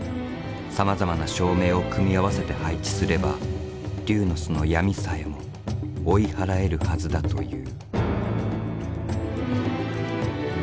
さまざまな照明を組み合わせて配置すれば龍の巣の闇さえも追い払えるはずだという。